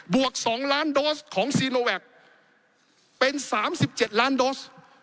วก๒ล้านโดสของซีโนแวคเป็น๓๗ล้านโดส